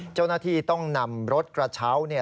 เจ้าหน้าที่ต้องนำรถกระเช้าเนี่ย